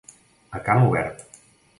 A camp obert.